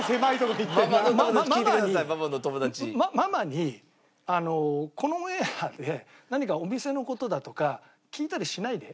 ママにこのオンエアで何かお店の事だとか聞いたりしないで。